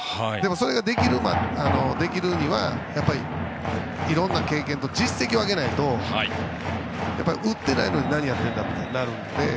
それができるにはやっぱり、いろんな経験と実績を挙げないと打ってないのに何やってるんだってなるので。